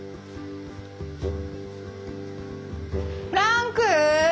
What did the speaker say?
フランク！